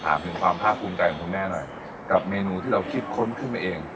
ถามถึงความภาคภูมิใจของคุณแม่หน่อยกับเมนูที่เราคิดค้นขึ้นมาเอง